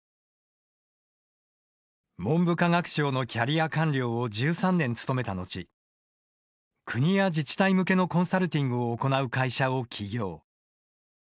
文部科学省のキャリア官僚を１３年勤めたのち国や自治体向けのコンサルティングを行う会社を起業。